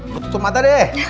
kututup mata deh